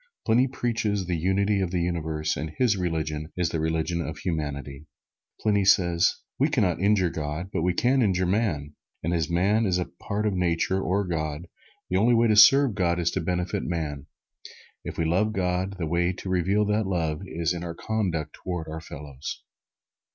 Pliny preaches the Unity of the Universe and his religion is the religion of Humanity. Pliny says: "We can not injure God, but we can injure man. And as man is part of Nature or God, the only way to serve God is to benefit man. If we love God, the way to reveal that love is in our conduct toward our fellows."